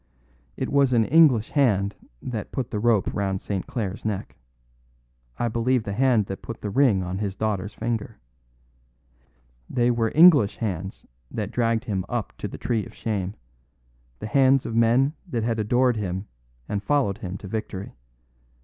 "It was an English hand that put the rope round St. Clare's neck; I believe the hand that put the ring on his daughter's finger. They were English hands that dragged him up to the tree of shame; the hands of men that had adored him and followed him to victory.